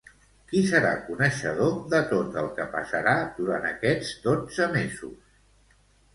Qui serà coneixedor de tot el que passarà durant aquests dotze mesos?